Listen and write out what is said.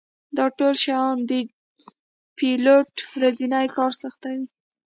دا ټول شیان د پیلوټ ورځنی کار سختوي